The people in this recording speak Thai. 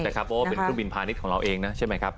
เพราะว่าเป็นเครื่องบินพาณิชย์ของเราเองนะใช่ไหมครับ